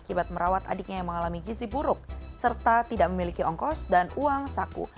akibat merawat adiknya yang mengalami gizi buruk serta tidak memiliki ongkos dan uang saku